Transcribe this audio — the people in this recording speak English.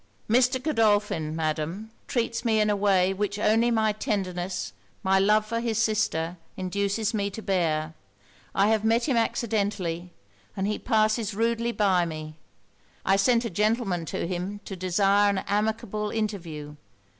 'Mr. Godolphin, Madam, treats me in a way which only my tenderness, my love for his sister, induces me to bear. I have met him accidentally, and he passes rudely by me. I sent a gentleman to him to desire an amicable interview.